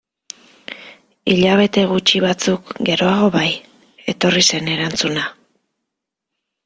Hilabete gutxi batzuk geroago bai, etorri zen erantzuna.